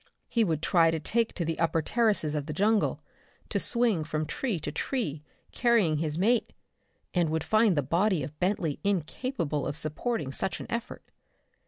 He would try to take to the upper terraces of the jungle, to swing from tree to tree, carrying his mate and would find the body of Bentley incapable of supporting such an effort.